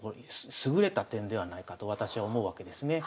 優れた点ではないかと私は思うわけですね。